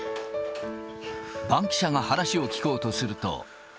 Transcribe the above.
バンキシャが話を聞こうとすると。